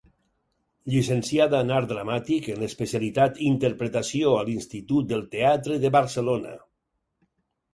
Llicenciada en Art Dramàtic en l'especialitat Interpretació a l'Institut del Teatre de Barcelona.